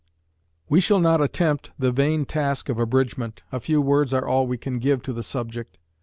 We shall not attempt the vain task of abridgment, a few words are all we can give to the subject.